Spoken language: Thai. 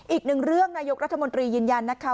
อีกหนึ่งเรื่องนายกรัฐมนตรียืนยันนะคะ